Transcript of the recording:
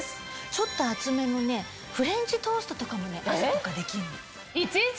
ちょっと厚めのフレンチトーストとかも朝とかできるの。